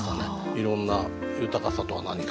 いろんな豊かさとは何か？とかね。